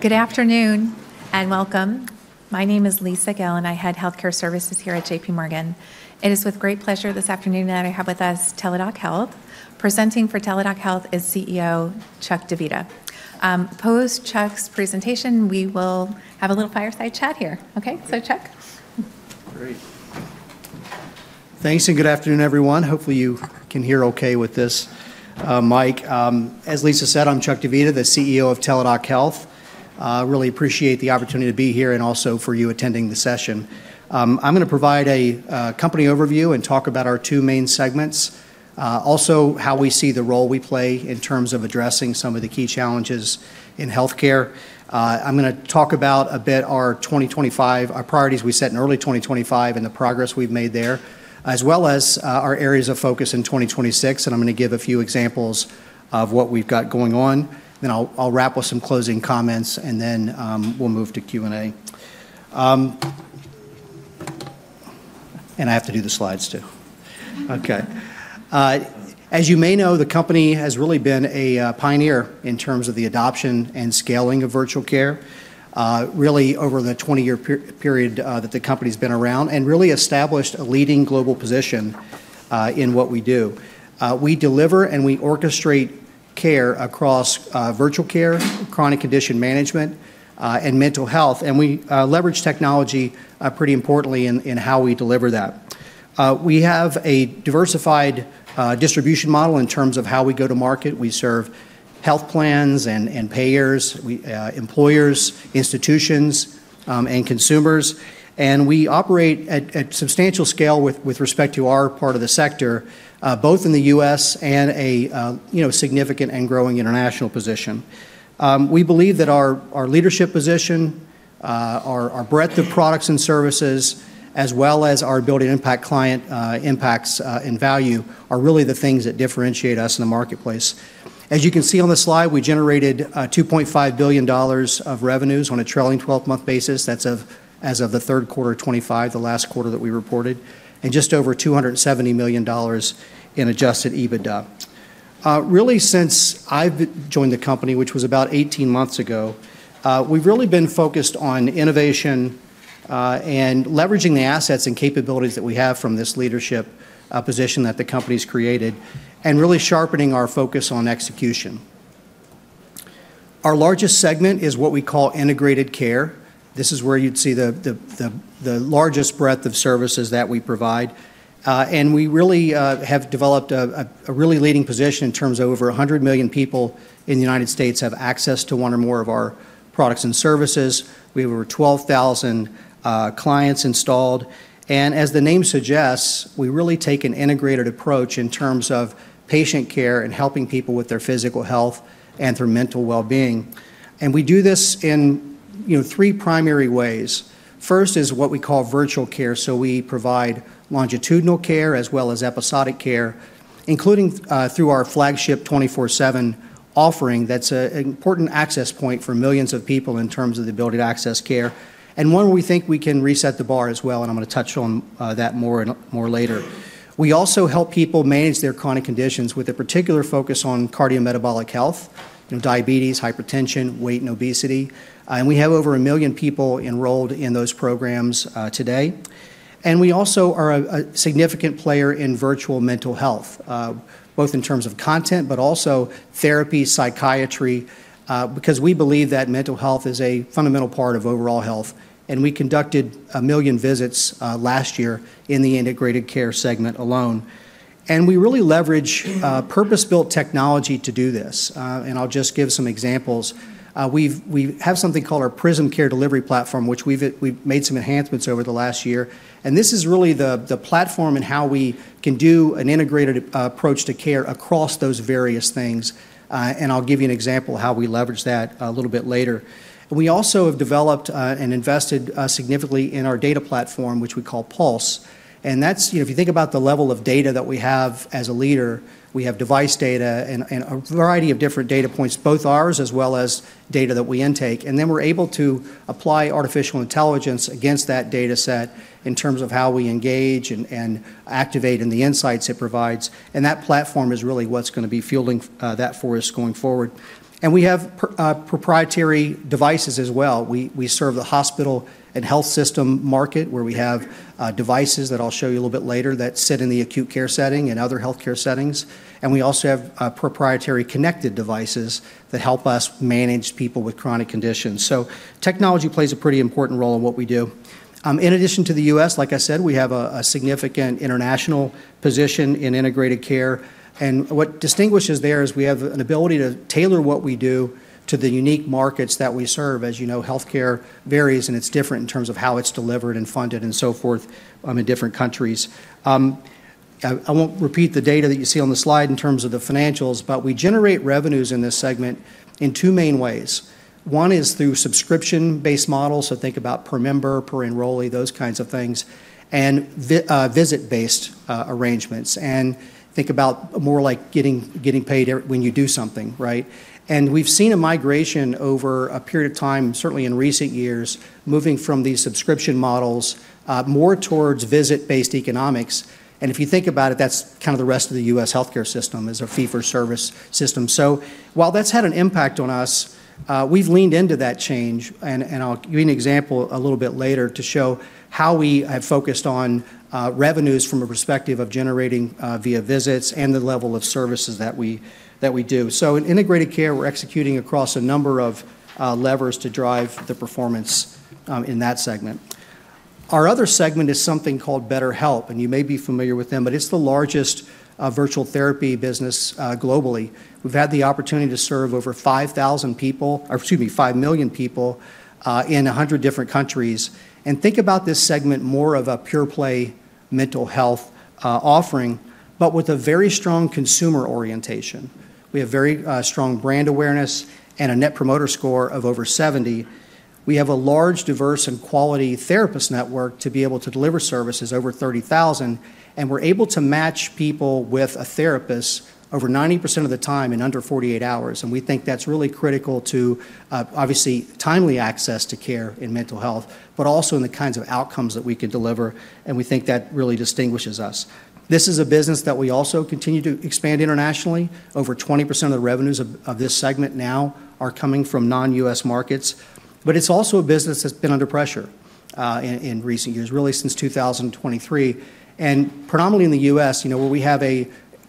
Good afternoon and welcome. My name is Lisa Gill, and I head healthcare services here at JPMorgan. It is with great pleasure this afternoon that I have with us Teladoc Health, presenting for Teladoc Health is CEO, Chuck Divita. Post Chuck's presentation, we will have a little fireside chat here. Okay, so Chuck? Great. Thanks and good afternoon, everyone. Hopefully, you can hear okay with this mic. As Lisa said, I'm Chuck Divita, the CEO of Teladoc Health. Really appreciate the opportunity to be here and also for you attending the session. I'm going to provide a company overview and talk about our two main segments, also how we see the role we play in terms of addressing some of the key challenges in healthcare. I'm going to talk about a bit our 2025, our priorities we set in early 2025 and the progress we've made there, as well as our areas of focus in 2026. And I'm going to give a few examples of what we've got going on. Then I'll wrap with some closing comments, and then we'll move to Q&A. And I have to do the slides too. Okay. As you may know, the company has really been a pioneer in terms of the adoption and scaling of virtual care, really over the 20-year period that the company's been around, and really established a leading global position in what we do. We deliver and we orchestrate care across virtual care, chronic condition management, and mental health, and we leverage technology pretty importantly in how we deliver that. We have a diversified distribution model in terms of how we go to market. We serve health plans and payers, employers, institutions, and consumers, and we operate at substantial scale with respect to our part of the sector, both in the U.S. and a significant and growing international position. We believe that our leadership position, our breadth of products and services, as well as our ability to impact client impacts and value, are really the things that differentiate us in the marketplace. As you can see on the slide, we generated $2.5 billion of revenues on a trailing 12-month basis. That's as of the third quarter of 2025, the last quarter that we reported, and just over $270 million in Adjusted EBITDA. Really, since I joined the company, which was about 18 months ago, we've really been focused on innovation and leveraging the assets and capabilities that we have from this leadership position that the company's created, and really sharpening our focus on execution. Our largest segment is what we call Integrated Care. This is where you'd see the largest breadth of services that we provide. And we really have developed a really leading position in terms of over 100 million people in the United States have access to one or more of our products and services. We have over 12,000 clients installed. As the name suggests, we really take an integrated approach in terms of patient care and helping people with their physical health and their mental well-being. We do this in three primary ways. First is what we call virtual care. We provide longitudinal care as well as episodic care, including through our flagship 24/7 offering that's an important access point for millions of people in terms of the ability to access care. One where we think we can reset the bar as well, and I'm going to touch on that more later. We also help people manage their chronic conditions with a particular focus on cardiometabolic health, diabetes, hypertension, weight, and obesity. We have over a million people enrolled in those programs today. And we also are a significant player in virtual mental health, both in terms of content, but also therapy, psychiatry, because we believe that mental health is a fundamental part of overall health. And we conducted a million visits last year in the Integrated Care segment alone. And we really leverage purpose-built technology to do this. And I'll just give some examples. We have something called our Prism Care Delivery Platform, which we've made some enhancements over the last year. And this is really the platform and how we can do an integrated approach to care across those various things. And I'll give you an example of how we leverage that a little bit later. We also have developed and invested significantly in our data platform, which we call Pulse. And that's, if you think about the level of data that we have as a leader, we have device data and a variety of different data points, both ours as well as data that we intake. And then we're able to apply artificial intelligence against that data set in terms of how we engage and activate and the insights it provides. And that platform is really what's going to be fueling that for us going forward. And we have proprietary devices as well. We serve the hospital and health system market where we have devices that I'll show you a little bit later that sit in the acute care setting and other healthcare settings. And we also have proprietary connected devices that help us manage people with chronic conditions. So technology plays a pretty important role in what we do. In addition to the U.S., like I said, we have a significant international position in Integrated Care, and what distinguishes there is we have an ability to tailor what we do to the unique markets that we serve. As you know, healthcare varies, and it's different in terms of how it's delivered and funded and so forth in different countries. I won't repeat the data that you see on the slide in terms of the financials, but we generate revenues in this segment in two main ways. One is through subscription-based models, so think about per member, per enrollee, those kinds of things, and visit-based arrangements, and think about more like getting paid when you do something, right, and we've seen a migration over a period of time, certainly in recent years, moving from these subscription models more towards visit-based economics. And if you think about it, that's kind of the rest of the U.S. healthcare system is a fee-for-service system. So while that's had an impact on us, we've leaned into that change. And I'll give you an example a little bit later to show how we have focused on revenues from a perspective of generating via visits and the level of services that we do. So in Integrated Care, we're executing across a number of levers to drive the performance in that segment. Our other segment is something called BetterHelp, and you may be familiar with them, but it's the largest virtual therapy business globally. We've had the opportunity to serve over 5,000 people, or excuse me, 5 million people in 100 different countries. And think about this segment more of a pure-play mental health offering, but with a very strong consumer orientation. We have very strong brand awareness and a Net Promoter Score of over 70. We have a large, diverse, and quality therapist network to be able to deliver services over 30,000, and we're able to match people with a therapist over 90% of the time in under 48 hours. We think that's really critical to, obviously, timely access to care and mental health, but also in the kinds of outcomes that we can deliver, and we think that really distinguishes us. This is a business that we also continue to expand internationally. Over 20% of the revenues of this segment now are coming from non-U.S. markets, but it's also a business that's been under pressure in recent years, really since 2023, and predominantly in the U.S., where we have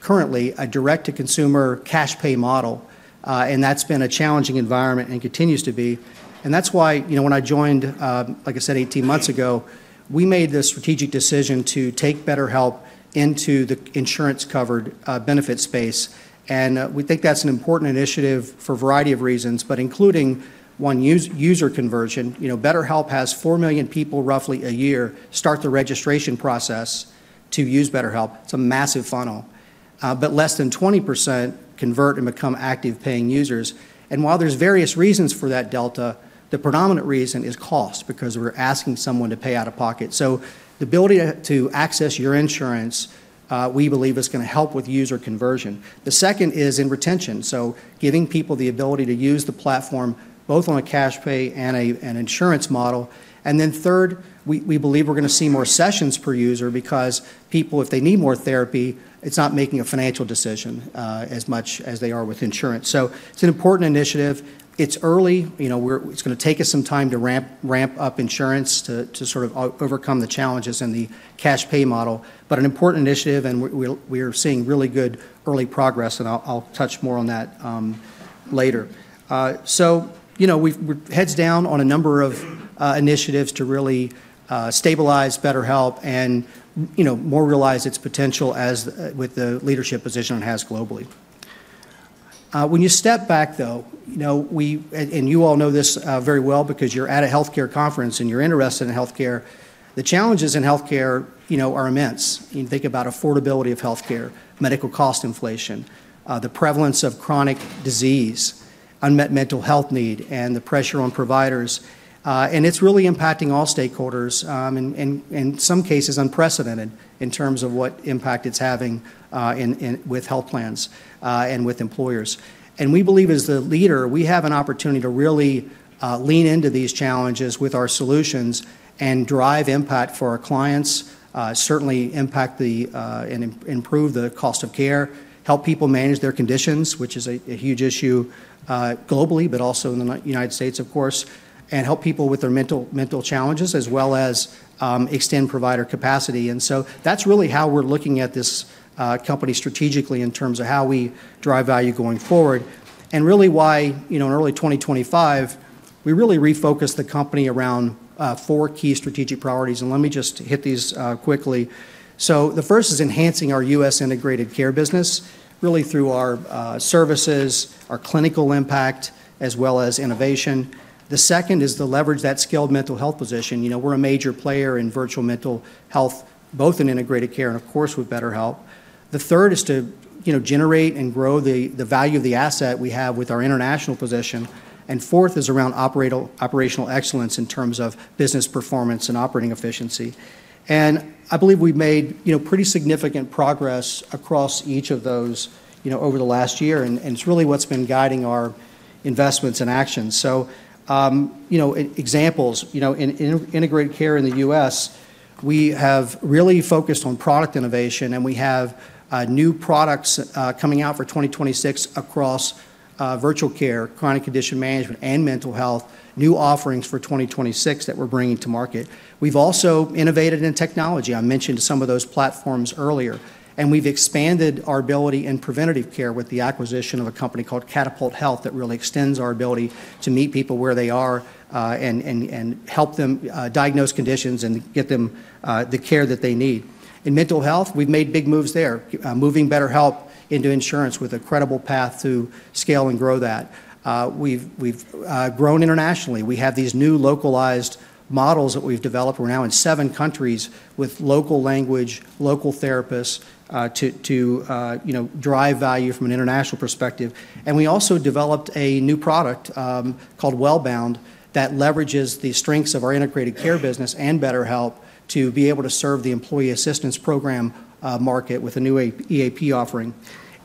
currently a direct-to-consumer cash pay model, and that's been a challenging environment and continues to be. And that's why when I joined, like I said, 18 months ago, we made the strategic decision to take BetterHelp into the insurance-covered benefit space. And we think that's an important initiative for a variety of reasons, but including one user conversion. BetterHelp has 4 million people roughly a year start the registration process to use BetterHelp. It's a massive funnel. But less than 20% convert and become active paying users. And while there's various reasons for that delta, the predominant reason is cost because we're asking someone to pay out of pocket. So the ability to access your insurance, we believe is going to help with user conversion. The second is in retention, so giving people the ability to use the platform both on a cash pay and an insurance model. And then third, we believe we're going to see more sessions per user because people, if they need more therapy, it's not making a financial decision as much as they are with insurance. So it's an important initiative. It's early. It's going to take us some time to ramp up insurance to sort of overcome the challenges in the cash pay model. But an important initiative, and we are seeing really good early progress, and I'll touch more on that later. So we're heads down on a number of initiatives to really stabilize BetterHelp and more realize its potential with the leadership position it has globally. When you step back, though, and you all know this very well because you're at a healthcare conference and you're interested in healthcare, the challenges in healthcare are immense. You think about affordability of healthcare, medical cost inflation, the prevalence of chronic disease, unmet mental health need, and the pressure on providers. And it's really impacting all stakeholders and in some cases unprecedented in terms of what impact it's having with health plans and with employers. And we believe as the leader, we have an opportunity to really lean into these challenges with our solutions and drive impact for our clients, certainly impact and improve the cost of care, help people manage their conditions, which is a huge issue globally, but also in the United States, of course, and help people with their mental challenges as well as extend provider capacity. And so that's really how we're looking at this company strategically in terms of how we drive value going forward. And really why in early 2025, we really refocused the company around four key strategic priorities. Let me just hit these quickly. So the first is enhancing our U.S. Integrated Care business really through our services, our clinical impact, as well as innovation. The second is to leverage that skilled mental health position. We're a major player in virtual mental health, both in Integrated Care and, of course, with BetterHelp. The third is to generate and grow the value of the asset we have with our international position. Fourth is around operational excellence in terms of business performance and operating efficiency. I believe we've made pretty significant progress across each of those over the last year. It's really what's been guiding our investments and actions. Examples in Integrated Care in the U.S. We have really focused on product innovation, and we have new products coming out for 2026 across virtual care, chronic condition management, and mental health, new offerings for 2026 that we're bringing to market. We've also innovated in technology. I mentioned some of those platforms earlier. And we've expanded our ability in preventative care with the acquisition of a company called Catapult Health that really extends our ability to meet people where they are and help them diagnose conditions and get them the care that they need. In mental health, we've made big moves there, moving BetterHelp into insurance with a credible path to scale and grow that. We've grown internationally. We have these new localized models that we've developed. We're now in seven countries with local language, local therapists to drive value from an international perspective. And we also developed a new product called Wellbound that leverages the strengths of our Integrated Care business and BetterHelp to be able to serve the employee assistance program market with a new EAP offering.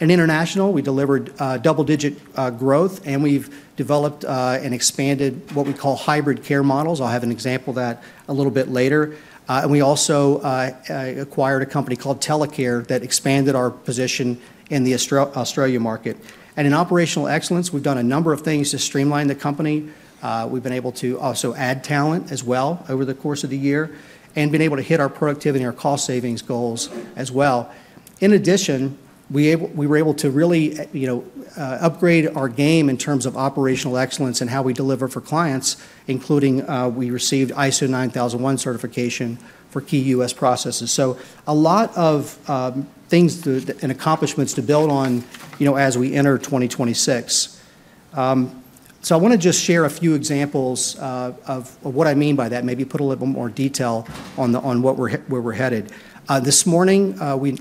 And internationally, we delivered double-digit growth, and we've developed and expanded what we call hybrid care models. I'll have an example of that a little bit later. And we also acquired a company called Telecare that expanded our position in the Australia market. And in operational excellence, we've done a number of things to streamline the company. We've been able to also add talent as well over the course of the year and been able to hit our productivity and our cost savings goals as well. In addition, we were able to really upgrade our game in terms of operational excellence and how we deliver for clients, including, we received ISO 9001 certification for key U.S. processes. So a lot of things and accomplishments to build on as we enter 2026. So I want to just share a few examples of what I mean by that, maybe put a little bit more detail on where we're headed. This morning, I'm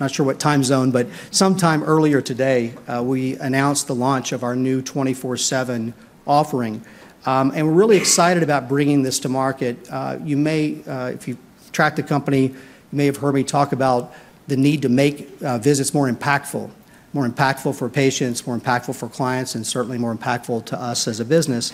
not sure what time zone, but sometime earlier today, we announced the launch of our new 24/7 offering. And we're really excited about bringing this to market. You may, if you track the company, have heard me talk about the need to make visits more impactful, more impactful for patients, more impactful for clients, and certainly more impactful to us as a business.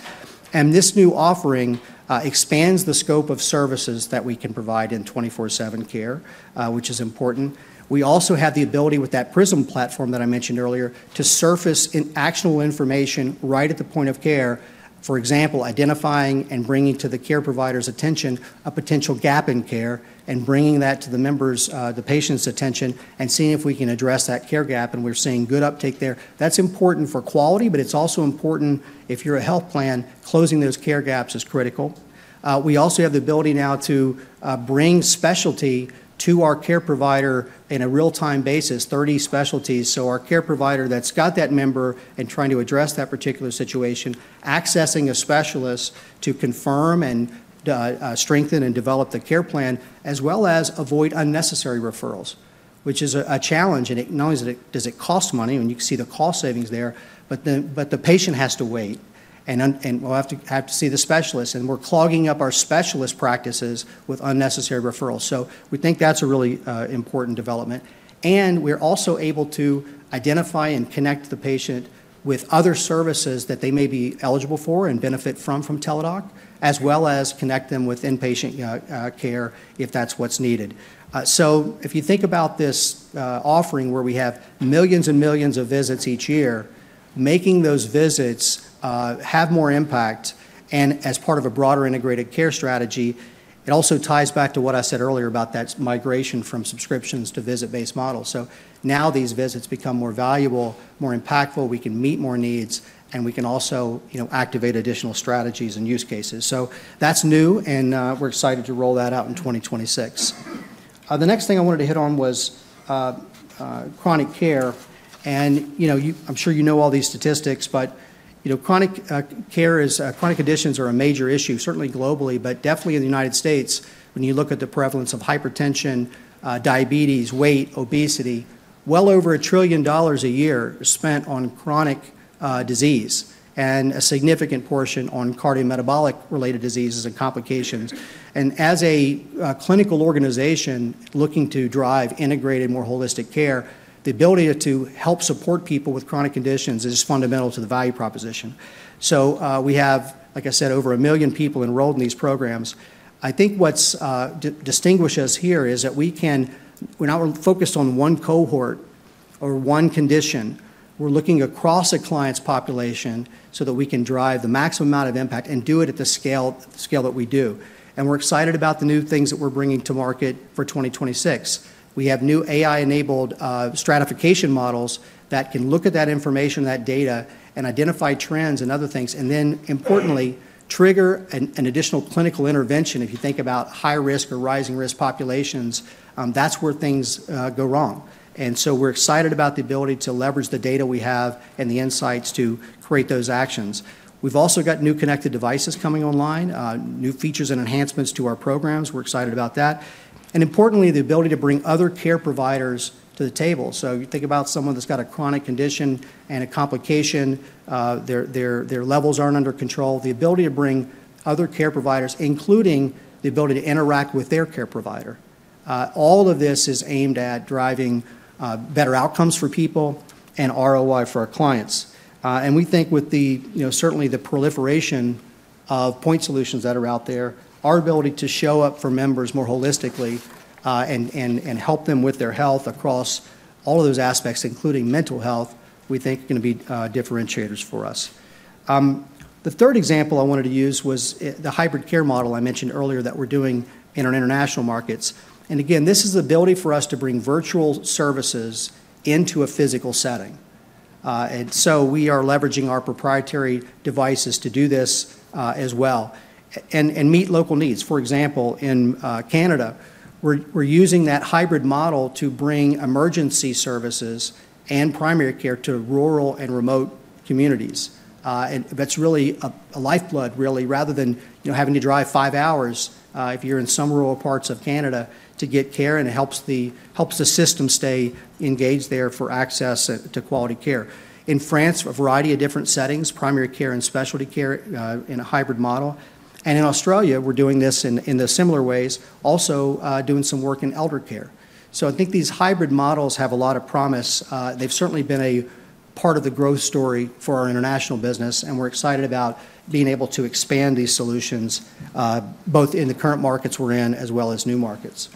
And this new offering expands the scope of services that we can provide in 24/7 care, which is important. We also have the ability with that Prism platform that I mentioned earlier to surface actionable information right at the point of care, for example, identifying and bringing to the care provider's attention a potential gap in care and bringing that to the patient's attention and seeing if we can address that care gap. And we're seeing good uptake there. That's important for quality, but it's also important if you're a health plan, closing those care gaps is critical. We also have the ability now to bring specialty to our care provider in a real-time basis, 30 specialties. So our care provider that's got that member and trying to address that particular situation, accessing a specialist to confirm and strengthen and develop the care plan, as well as avoid unnecessary referrals, which is a challenge. And not only does it cost money and you can see the cost savings there, but the patient has to wait and will have to see the specialist. And we're clogging up our specialist practices with unnecessary referrals. So we think that's a really important development. And we're also able to identify and connect the patient with other services that they may be eligible for and benefit from Teladoc, as well as connect them with inpatient care if that's what's needed. So if you think about this offering where we have millions and millions of visits each year, making those visits have more impact. As part of a broader Integrated Care strategy, it also ties back to what I said earlier about that migration from subscriptions to visit-based models. So now these visits become more valuable, more impactful. We can meet more needs, and we can also activate additional strategies and use cases. So that's new, and we're excited to roll that out in 2026. The next thing I wanted to hit on was chronic care. I'm sure you know all these statistics, but chronic conditions are a major issue, certainly globally, but definitely in the United States. When you look at the prevalence of hypertension, diabetes, weight, obesity, well over $1 trillion a year is spent on chronic disease and a significant portion on cardiometabolic-related diseases and complications. As a clinical organization looking to drive integrated, more holistic care, the ability to help support people with chronic conditions is fundamental to the value proposition. So we have, like I said, over a million people enrolled in these programs. I think what distinguishes us here is that we're not focused on one cohort or one condition. We're looking across a client's population so that we can drive the maximum amount of impact and do it at the scale that we do. We're excited about the new things that we're bringing to market for 2026. We have new AI-enabled stratification models that can look at that information, that data, and identify trends and other things, and then, importantly, trigger an additional clinical intervention. If you think about high-risk or rising-risk populations, that's where things go wrong. And so we're excited about the ability to leverage the data we have and the insights to create those actions. We've also got new connected devices coming online, new features and enhancements to our programs. We're excited about that. And importantly, the ability to bring other care providers to the table. So you think about someone that's got a chronic condition and a complication, their levels aren't under control, the ability to bring other care providers, including the ability to interact with their care provider. All of this is aimed at driving better outcomes for people and ROI for our clients. And we think with certainly the proliferation of point solutions that are out there, our ability to show up for members more holistically and help them with their health across all of those aspects, including mental health, we think are going to be differentiators for us. The third example I wanted to use was the hybrid care model I mentioned earlier that we're doing in our international markets. And again, this is the ability for us to bring virtual services into a physical setting. And so we are leveraging our proprietary devices to do this as well and meet local needs. For example, in Canada, we're using that hybrid model to bring emergency services and primary care to rural and remote communities. That's really a lifeblood, really, rather than having to drive five hours if you're in some rural parts of Canada to get care. And it helps the system stay engaged there for access to quality care. In France, a variety of different settings, primary care and specialty care in a hybrid model. And in Australia, we're doing this in similar ways, also doing some work in elder care. I think these hybrid models have a lot of promise. They've certainly been a part of the growth story for our international business, and we're excited about being able to expand these solutions both in the current markets we're in as well as new markets.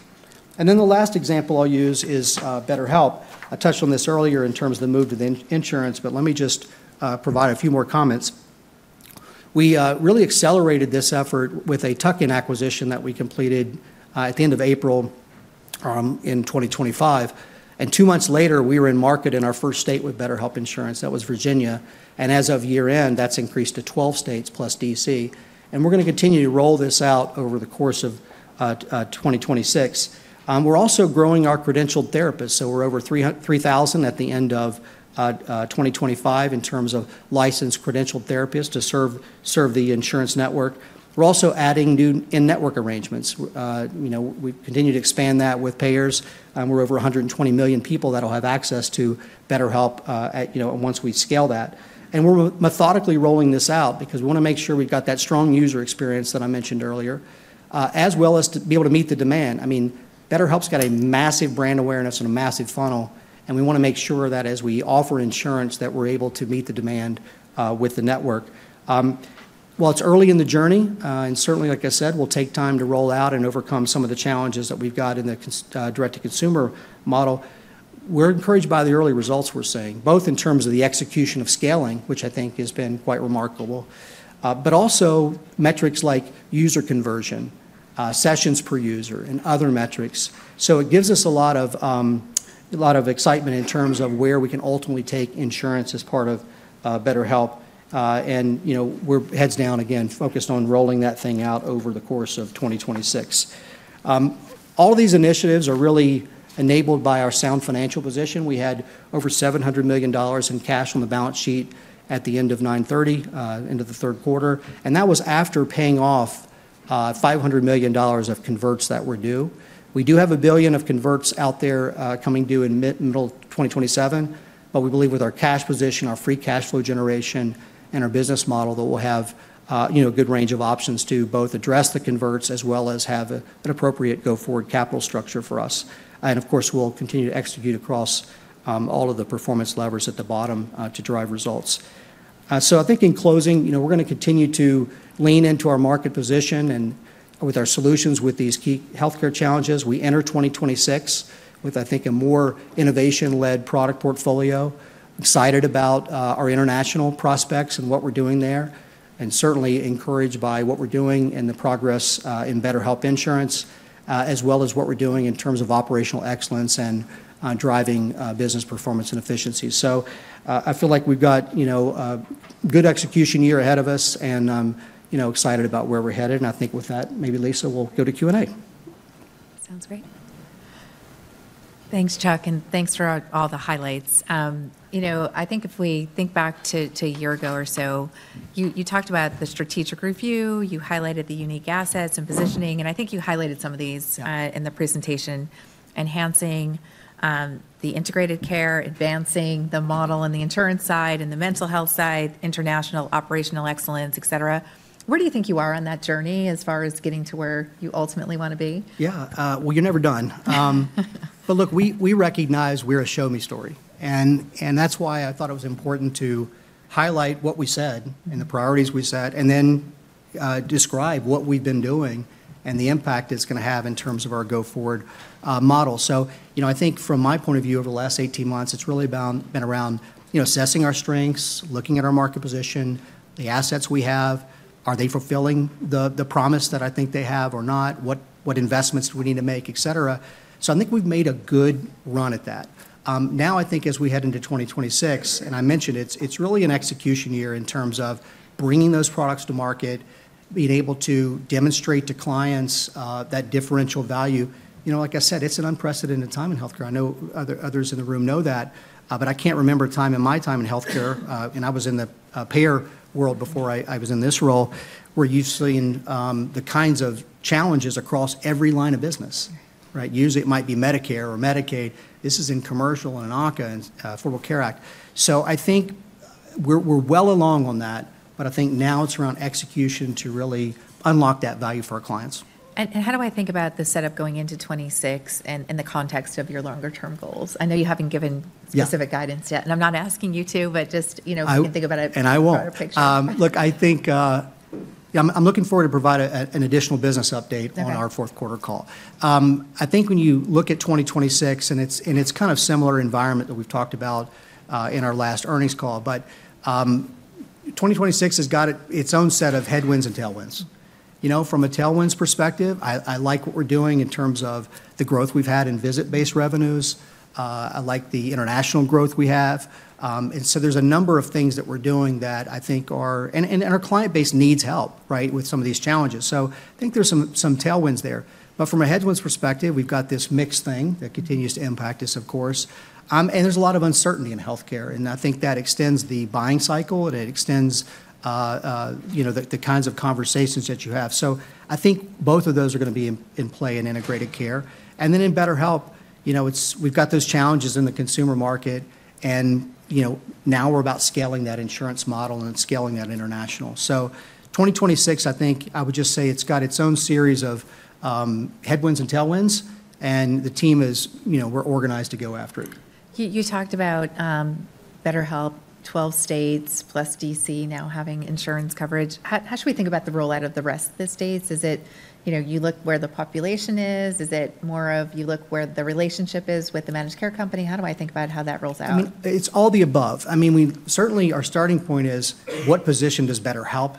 The last example I'll use is BetterHelp. I touched on this earlier in terms of the move to the insurance, but let me just provide a few more comments. We really accelerated this effort with a tuck-in acquisition that we completed at the end of April in 2025. Two months later, we were in market in our first state with BetterHelp Insurance. That was Virginia. As of year-end, that's increased to 12 states plus D.C. We're going to continue to roll this out over the course of 2026. We're also growing our credentialed therapists. So we're over 3,000 at the end of 2025 in terms of licensed credentialed therapists to serve the insurance network. We're also adding new in-network arrangements. We continue to expand that with payers. We're over 120 million people that will have access to BetterHelp once we scale that. And we're methodically rolling this out because we want to make sure we've got that strong user experience that I mentioned earlier, as well as to be able to meet the demand. I mean, BetterHelp's got a massive brand awareness and a massive funnel, and we want to make sure that as we offer insurance, that we're able to meet the demand with the network. While it's early in the journey, and certainly, like I said, we'll take time to roll out and overcome some of the challenges that we've got in the direct-to-consumer model. We're encouraged by the early results we're seeing, both in terms of the execution of scaling, which I think has been quite remarkable, but also metrics like user conversion, sessions per user, and other metrics, so it gives us a lot of excitement in terms of where we can ultimately take insurance as part of BetterHelp, and we're heads down, again, focused on rolling that thing out over the course of 2026. All these initiatives are really enabled by our sound financial position. We had over $700 million in cash on the balance sheet at the end of 9/30, into the third quarter, and that was after paying off $500 million of converts that were due. We do have a billion of converts out there coming due in middle 2027, but we believe with our cash position, our free cash flow generation, and our business model, that we'll have a good range of options to both address the converts as well as have an appropriate go-forward capital structure for us. And of course, we'll continue to execute across all of the performance levers at the bottom to drive results. So I think in closing, we're going to continue to lean into our market position and with our solutions with these key healthcare challenges. We enter 2026 with, I think, a more innovation-led product portfolio. Excited about our international prospects and what we're doing there, and certainly encouraged by what we're doing and the progress in BetterHelp Insurance, as well as what we're doing in terms of operational excellence and driving business performance and efficiency. So I feel like we've got a good execution year ahead of us and excited about where we're headed. And I think with that, maybe, Lisa, we'll go to Q&A. Sounds great. Thanks, Chuck, and thanks for all the highlights. I think if we think back to a year ago or so, you talked about the strategic review. You highlighted the unique assets and positioning. And I think you highlighted some of these in the presentation, enhancing the Integrated Care, advancing the model on the insurance side and the mental health side, international operational excellence, etc. Where do you think you are on that journey as far as getting to where you ultimately want to be? Yeah. Well, you're never done. But look, we recognize we're a show-me story. And that's why I thought it was important to highlight what we said and the priorities we set, and then describe what we've been doing and the impact it's going to have in terms of our go-forward model. So I think from my point of view, over the last 18 months, it's really been around assessing our strengths, looking at our market position, the assets we have. Are they fulfilling the promise that I think they have or not? What investments do we need to make, etc.? So I think we've made a good run at that. Now, I think as we head into 2026, and I mentioned, it's really an execution year in terms of bringing those products to market, being able to demonstrate to clients that differential value. Like I said, it's an unprecedented time in healthcare. I know others in the room know that, but I can't remember a time in my time in healthcare, and I was in the payer world before I was in this role, where you've seen the kinds of challenges across every line of business. Usually, it might be Medicare or Medicaid. This is in commercial and ACA and Affordable Care Act. So I think we're well along on that, but I think now it's around execution to really unlock that value for our clients. How do I think about the setup going into 2026 in the context of your longer-term goals? I know you haven't given specific guidance yet. I'm not asking you to, but just if you can think about it. I won't. For a picture. Look, I think I'm looking forward to provide an additional business update on our fourth quarter call. I think when you look at 2026, and it's kind of a similar environment that we've talked about in our last earnings call, but 2026 has got its own set of headwinds and tailwinds. From a tailwinds perspective, I like what we're doing in terms of the growth we've had in visit-based revenues. I like the international growth we have. And so there's a number of things that we're doing that I think are and our client base needs help with some of these challenges. So I think there's some tailwinds there. But from a headwinds perspective, we've got this mixed thing that continues to impact us, of course. And there's a lot of uncertainty in healthcare. And I think that extends the buying cycle, and it extends the kinds of conversations that you have. So I think both of those are going to be in play in Integrated Care. And then in BetterHelp, we've got those challenges in the consumer market. And now we're about scaling that insurance model and scaling that international. So 2026, I think I would just say it's got its own series of headwinds and tailwinds, and the team is, we're organized to go after it. You talked about BetterHelp, 12 states plus DC now having insurance coverage. How should we think about the rollout of the rest of the states? Is it you look where the population is? Is it more of you look where the relationship is with the managed care company? How do I think about how that rolls out? I mean, it's all the above. I mean, certainly, our starting point is, what position does BetterHelp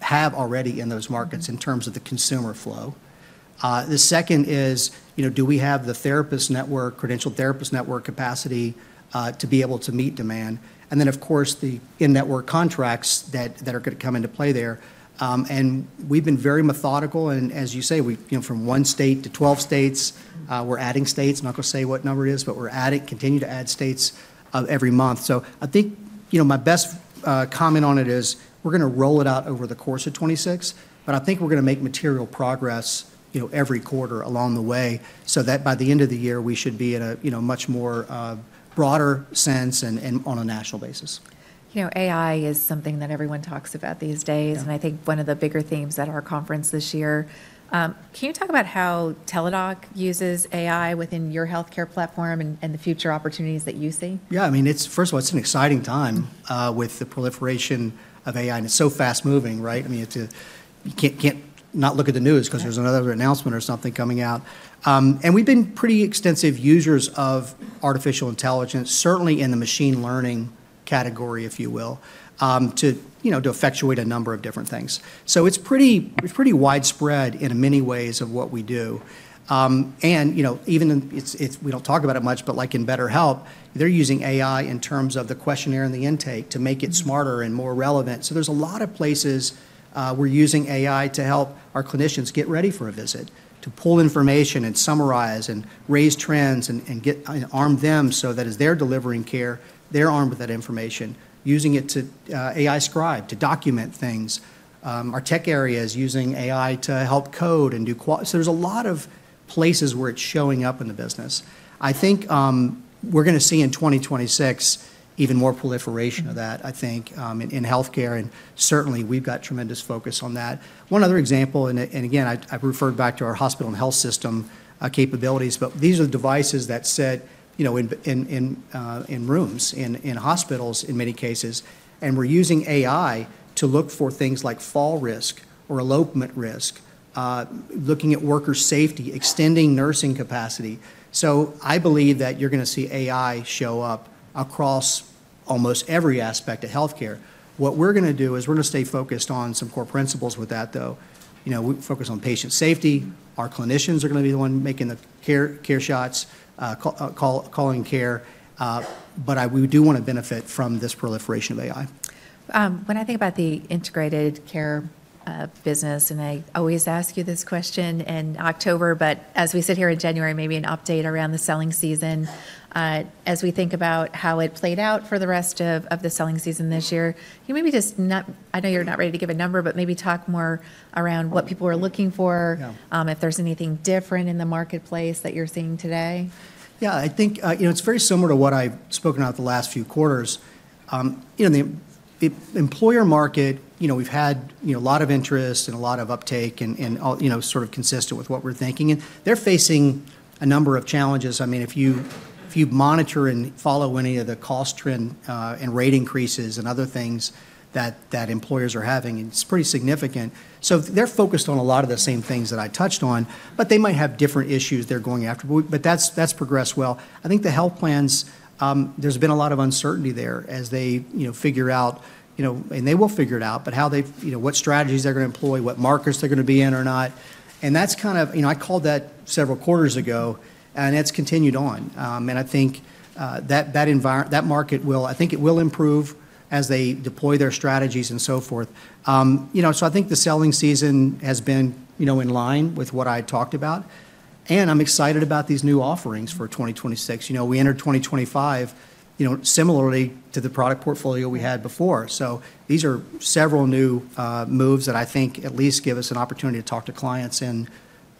have already in those markets in terms of the consumer flow? The second is, do we have the therapist network, credentialed therapist network capacity to be able to meet demand? And then, of course, the in-network contracts that are going to come into play there. And we've been very methodical. And as you say, from one state to 12 states, we're adding states. I'm not going to say what number it is, but we're adding, continue to add states every month. So I think my best comment on it is we're going to roll it out over the course of 2026, but I think we're going to make material progress every quarter along the way so that by the end of the year, we should be in a much more broader sense and on a national basis. AI is something that everyone talks about these days. And I think one of the bigger themes at our conference this year. Can you talk about how Teladoc uses AI within your healthcare platform and the future opportunities that you see? Yeah. I mean, first of all, it's an exciting time with the proliferation of AI. And it's so fast-moving, right? I mean, you can't not look at the news because there's another announcement or something coming out. And we've been pretty extensive users of artificial intelligence, certainly in the machine learning category, if you will, to effectuate a number of different things. So it's pretty widespread in many ways of what we do. And even we don't talk about it much, but like in BetterHelp, they're using AI in terms of the questionnaire and the intake to make it smarter and more relevant. There's a lot of places we're using AI to help our clinicians get ready for a visit, to pull information and summarize and raise trends and arm them so that as they're delivering care, they're armed with that information, using it to AI scribe, to document things. Our tech area is using AI to help code and do so there's a lot of places where it's showing up in the business. I think we're going to see in 2026 even more proliferation of that, I think, in healthcare, and certainly we've got tremendous focus on that. One other example, and again, I've referred back to our hospital and health system capabilities, but these are the devices that sit in rooms, in hospitals in many cases, and we're using AI to look for things like fall risk or elopement risk, looking at worker safety, extending nursing capacity. I believe that you're going to see AI show up across almost every aspect of healthcare. What we're going to do is we're going to stay focused on some core principles with that, though. We focus on patient safety. Our clinicians are going to be the ones making the care shots, calling care. But we do want to benefit from this proliferation of AI. When I think about the Integrated Care business, and I always ask you this question in October, but as we sit here in January, maybe an update around the selling season. As we think about how it played out for the rest of the selling season this year, can you maybe just not. I know you're not ready to give a number, but maybe talk more around what people are looking for, if there's anything different in the marketplace that you're seeing today? Yeah. I think it's very similar to what I've spoken about the last few quarters. The employer market, we've had a lot of interest and a lot of uptake and sort of consistent with what we're thinking, and they're facing a number of challenges. I mean, if you monitor and follow any of the cost trend and rate increases and other things that employers are having, it's pretty significant. So they're focused on a lot of the same things that I touched on, but they might have different issues they're going after, but that's progressed well. I think the health plans, there's been a lot of uncertainty there as they figure out, and they will figure it out, but what strategies they're going to employ, what markets they're going to be in or not, and that's kind of I called that several quarters ago, and it's continued on. And I think that market will improve as they deploy their strategies and so forth. So I think the selling season has been in line with what I talked about. And I'm excited about these new offerings for 2026. We entered 2025 similarly to the product portfolio we had before. So these are several new moves that I think at least give us an opportunity to talk to clients in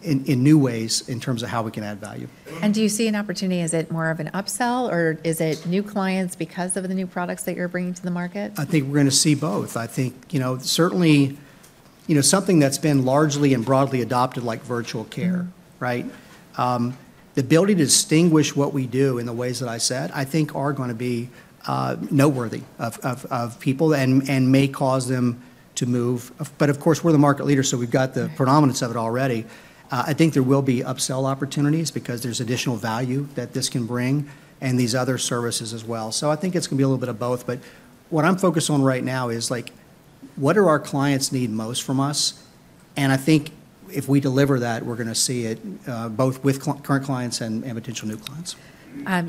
new ways in terms of how we can add value. Do you see an opportunity? Is it more of an upsell, or is it new clients because of the new products that you're bringing to the market? I think we're going to see both. I think certainly something that's been largely and broadly adopted, like virtual care, right? The ability to distinguish what we do in the ways that I said, I think are going to be noteworthy of people and may cause them to move. But of course, we're the market leader, so we've got the predominance of it already. I think there will be upsell opportunities because there's additional value that this can bring and these other services as well. So I think it's going to be a little bit of both. But what I'm focused on right now is what do our clients need most from us? And I think if we deliver that, we're going to see it both with current clients and potential new clients.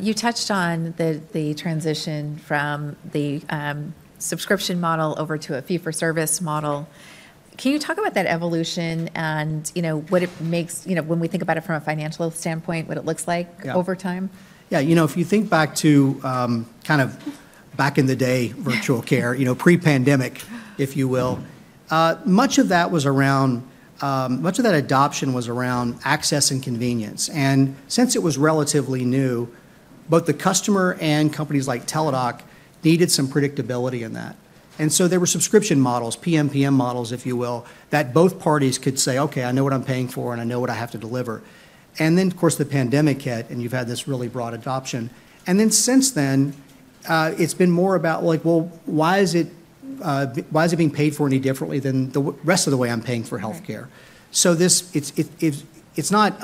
You touched on the transition from the subscription model over to a fee-for-service model. Can you talk about that evolution and what it means when we think about it from a financial standpoint, what it looks like over time? Yeah. If you think back to kind of back in the day, virtual care, pre-pandemic, if you will, much of that was around much of that adoption was around access and convenience, and since it was relatively new, both the customer and companies like Teladoc needed some predictability in that. And so there were subscription models, PMPM models, if you will, that both parties could say, "Okay, I know what I'm paying for, and I know what I have to deliver." Then, of course, the pandemic hit, and you've had this really broad adoption, and then since then, it's been more about, "Well, why is it being paid for any differently than the rest of the way I'm paying for healthcare?", so it's not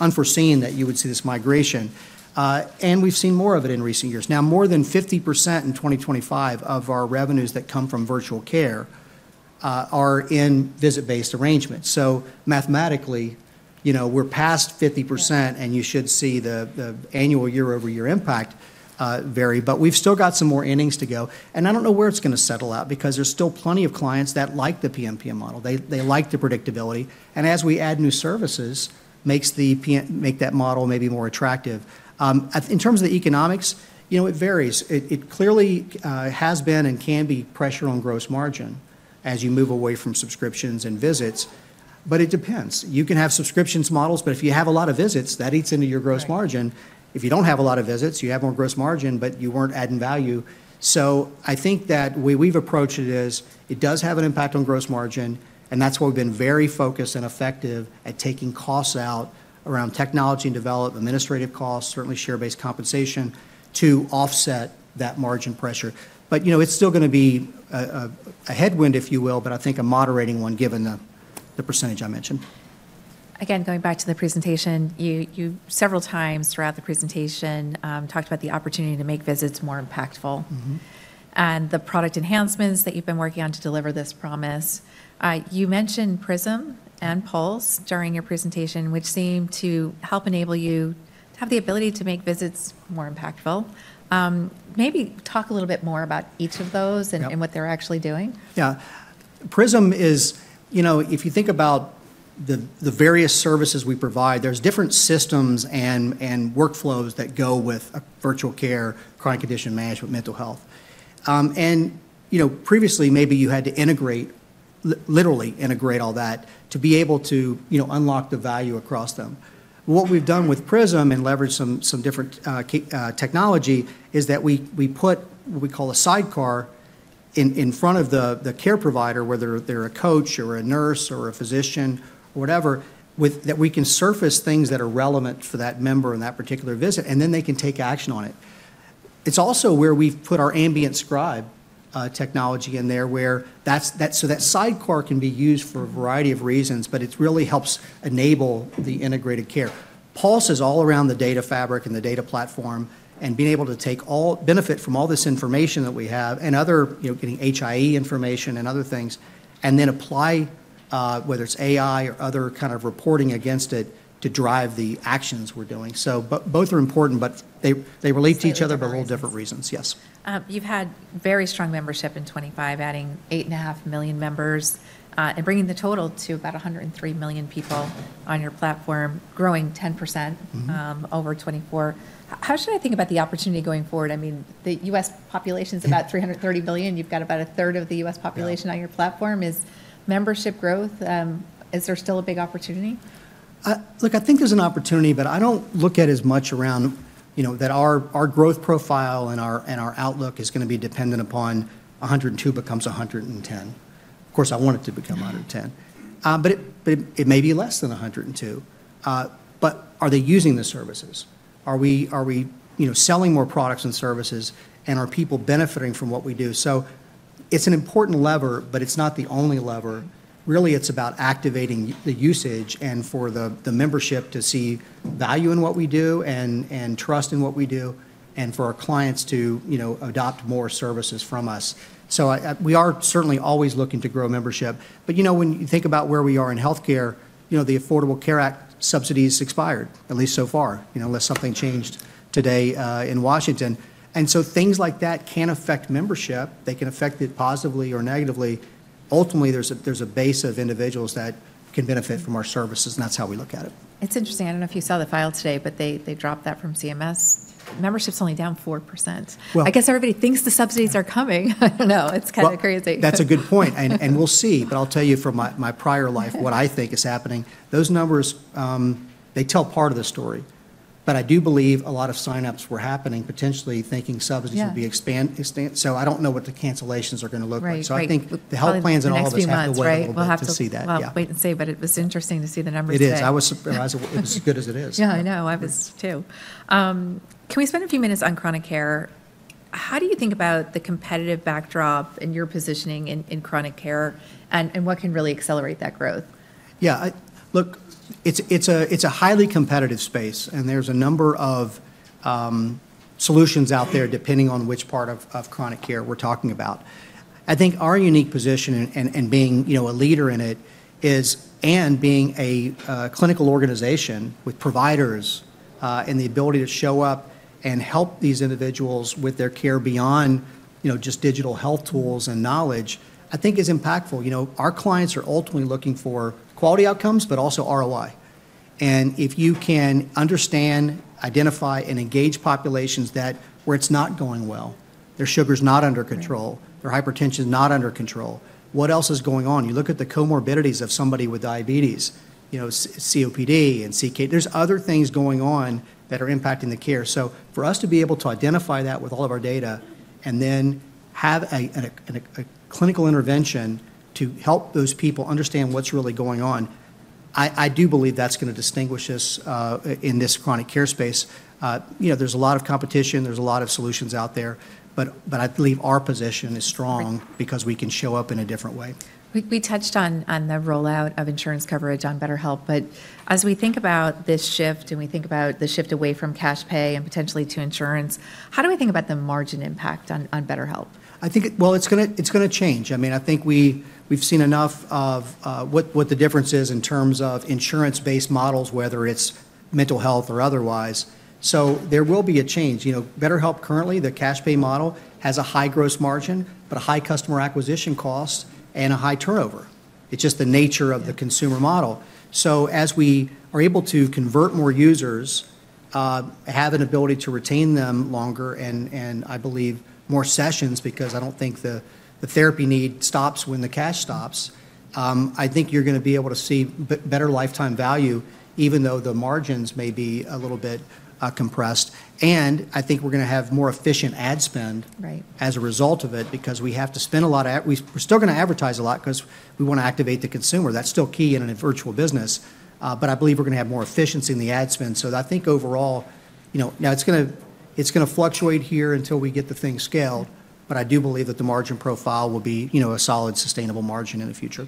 unforeseen that you would see this migration, and we've seen more of it in recent years. Now, more than 50% in 2025 of our revenues that come from virtual care are in visit-based arrangements, so mathematically, we're past 50%, and you should see the annual year-over-year impact vary, but we've still got some more innings to go, and I don't know where it's going to settle out because there's still plenty of clients that like the PMPM model, they like the predictability, and as we add new services, it makes that model maybe more attractive. In terms of the economics, it varies, but it clearly has been and can be pressure on gross margin as you move away from subscriptions and visits, but it depends. You can have subscriptions models, but if you have a lot of visits, that eats into your gross margin. If you don't have a lot of visits, you have more gross margin, but you weren't adding value. So I think that we've approached it as it does have an impact on gross margin, and that's why we've been very focused and effective at taking costs out around technology and development, administrative costs, certainly share-based compensation, to offset that margin pressure. But it's still going to be a headwind, if you will, but I think a moderating one given the percentage I mentioned. Again, going back to the presentation, you several times throughout the presentation talked about the opportunity to make visits more impactful and the product enhancements that you've been working on to deliver this promise. You mentioned Prism and Pulse during your presentation, which seem to help enable you to have the ability to make visits more impactful. Maybe talk a little bit more about each of those and what they're actually doing. Yeah. Prism is if you think about the various services we provide, there's different systems and workflows that go with virtual care, chronic condition management, mental health. And previously, maybe you had to integrate, literally integrate all that to be able to unlock the value across them. What we've done with Prism and leverage some different technology is that we put what we call a sidecar in front of the care provider, whether they're a coach or a nurse or a physician or whatever, that we can surface things that are relevant for that member in that particular visit, and then they can take action on it. It's also where we've put our Ambient Scribe technology in there where that sidecar can be used for a variety of reasons, but it really helps enable the Integrated Care. Pulse is all around the data fabric and the data platform and being able to take all benefit from all this information that we have and other getting HIE information and other things and then apply, whether it's AI or other kind of reporting against it, to drive the actions we're doing. So both are important, but they relate to each other but a little different reasons. Yes. You've had very strong membership in 2025, adding 8.5 million members and bringing the total to about 103 million people on your platform, growing 10% over 2024. How should I think about the opportunity going forward? I mean, the U.S. population is about 330 million. You've got about a third of the U.S. population on your platform. Is membership growth there still a big opportunity? Look, I think there's an opportunity, but I don't look at it as much around that our growth profile and our outlook is going to be dependent upon 102 becomes 110. Of course, I want it to become 110. But it may be less than 102. But are they using the services? Are we selling more products and services, and are people benefiting from what we do? So it's an important lever, but it's not the only lever. Really, it's about activating the usage and for the membership to see value in what we do and trust in what we do and for our clients to adopt more services from us. So we are certainly always looking to grow membership. But when you think about where we are in healthcare, the Affordable Care Act subsidies expired, at least so far, unless something changed today in Washington. And so things like that can affect membership. They can affect it positively or negatively. Ultimately, there's a base of individuals that can benefit from our services, and that's how we look at it. It's interesting. I don't know if you saw the filings today, but they dropped that from CMS. Membership's only down 4%. I guess everybody thinks the subsidies are coming. I don't know. It's kind of crazy. That's a good point. And we'll see. But I'll tell you from my prior life what I think is happening. Those numbers, they tell part of the story. But I do believe a lot of signups were happening, potentially thinking subsidies would be expanded. So I don't know what the cancellations are going to look like. So I think the health plans and all of this have to wait a little bit to see that. We'll have to wait and see, but it was interesting to see the numbers there. It is. It was as good as it is. Yeah, I know. I was too. Can we spend a few minutes on Chronic Care? How do you think about the competitive backdrop and your positioning in Chronic Care and what can really accelerate that growth? Yeah. Look, it's a highly competitive space, and there's a number of solutions out there depending on which part of Chronic Care we're talking about. I think our unique position and being a leader in it is and being a clinical organization with providers and the ability to show up and help these individuals with their care beyond just digital health tools and knowledge, I think is impactful. Our clients are ultimately looking for quality outcomes, but also ROI, and if you can understand, identify, and engage populations where it's not going well, their sugar's not under control, their hypertension's not under control, what else is going on? You look at the comorbidities of somebody with diabetes, COPD and CKD, there's other things going on that are impacting the care. So for us to be able to identify that with all of our data and then have a clinical intervention to help those people understand what's really going on, I do believe that's going to distinguish us in this chronic care space. There's a lot of competition. There's a lot of solutions out there. But I believe our position is strong because we can show up in a different way. We touched on the rollout of insurance coverage on BetterHelp. But as we think about this shift and we think about the shift away from cash pay and potentially to insurance, how do we think about the margin impact on BetterHelp? It's going to change. I mean, I think we've seen enough of what the difference is in terms of insurance-based models, whether it's mental health or otherwise. So there will be a change. BetterHelp currently, the cash pay model, has a high gross margin, but a high customer acquisition cost, and a high turnover. It's just the nature of the consumer model. So as we are able to convert more users, have an ability to retain them longer, and I believe more sessions because I don't think the therapy need stops when the cash stops, I think you're going to be able to see better lifetime value, even though the margins may be a little bit compressed. I think we're going to have more efficient ad spend as a result of it because we have to spend a lot. We're still going to advertise a lot because we want to activate the consumer. That's still key in a virtual business. But I believe we're going to have more efficiency in the ad spend. So I think overall, now it's going to fluctuate here until we get the thing scaled. But I do believe that the margin profile will be a solid, sustainable margin in the future.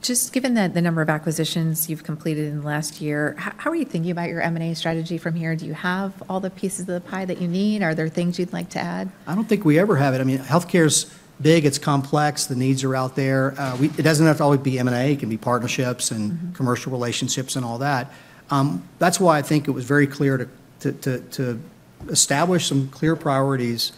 Just given the number of acquisitions you've completed in the last year, how are you thinking about your M&A strategy from here? Do you have all the pieces of the pie that you need? Are there things you'd like to add? I don't think we ever have it. I mean, healthcare's big. It's complex. The needs are out there. It doesn't have to always be M&A. It can be partnerships and commercial relationships and all that. That's why I think it was very clear to establish some clear priorities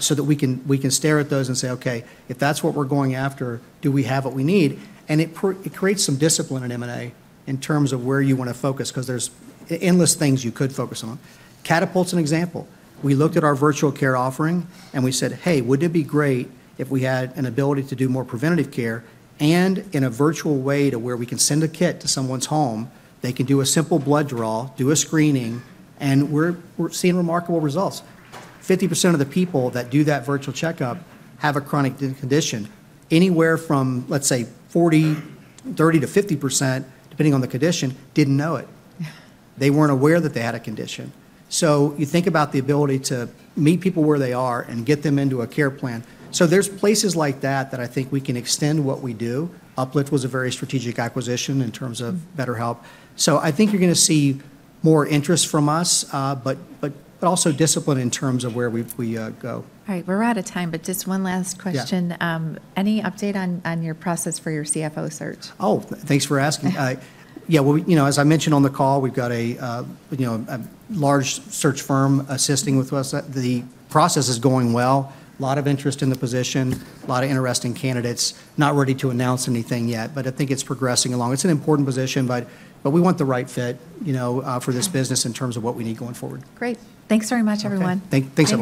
so that we can stare at those and say, "Okay, if that's what we're going after, do we have what we need?" And it creates some discipline in M&A in terms of where you want to focus because there's endless things you could focus on. Catapult's an example. We looked at our virtual care offering and we said, "Hey, wouldn't it be great if we had an ability to do more preventative care and in a virtual way to where we can send a kit to someone's home? They can do a simple blood draw, do a screening, and we're seeing remarkable results." 50% of the people that do that virtual checkup have a chronic condition. Anywhere from, let's say, 30%-50%, depending on the condition, didn't know it. They weren't aware that they had a condition. So you think about the ability to meet people where they are and get them into a care plan. So there's places like that that I think we can extend what we do. UpLift was a very strategic acquisition in terms of BetterHelp. So I think you're going to see more interest from us, but also discipline in terms of where we go. All right. We're out of time, but just one last question. Any update on your process for your CFO search? Oh, thanks for asking. Yeah. As I mentioned on the call, we've got a large search firm assisting with us. The process is going well. A lot of interest in the position, a lot of interesting candidates. Not ready to announce anything yet, but I think it's progressing along. It's an important position, but we want the right fit for this business in terms of what we need going forward. Great. Thanks very much, everyone. Thanks a lot.